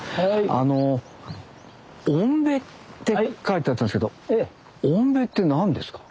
あの「おんべ」って書いてあったんですけど「おんべ」って何ですか？